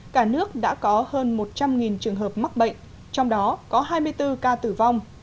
cả nước đã có hơn một trăm linh trường hợp mắc bệnh trong đó có hai mươi bốn ca tử vong